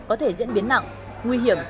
có thể diễn biến nặng nguy hiểm